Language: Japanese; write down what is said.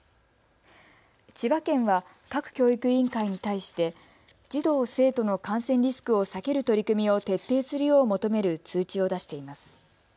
千葉県は、各教育委員会に対して児童、生徒の感染リスクを避ける取り組みを徹底するよう求める通知を出しています。